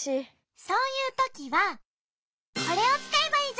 そういうときはこれをつかえばいいじゃない。